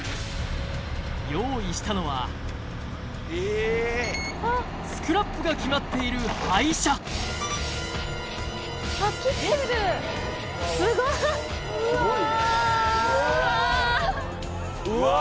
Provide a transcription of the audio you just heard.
用意したのはスクラップが決まっている廃車うわあうわうわうわ